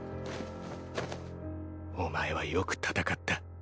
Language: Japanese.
お前はよく戦った。